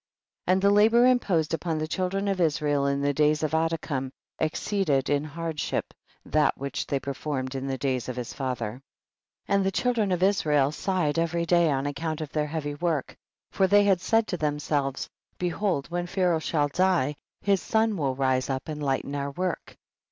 21. And the labor imposed upon the children of Israel in the days of Adikam exceeded in hardship that which they performed in the days of his father. 232 THE BOOK OF JASHER. 22. And the children of Israel sighed every day on account of their heavy work, for they had said to themselves, behold when Pharaoh shall die, his son will rise up and lighten our work